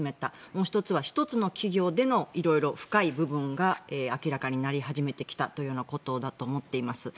もう１つは１つの企業での色々、深い部分が明らかになり始めてきたということだと思っています。